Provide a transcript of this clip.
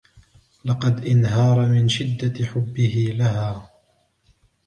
لقد انهار من شدة حبه لها.